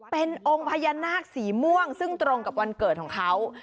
เป็นองค์พญานาคสีม่วงซึ่งตรงกับวันเกิดของเขา